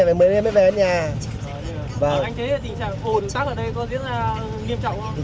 anh thấy tình trạng ổn tắc ở đây có diễn ra nghiêm trọng không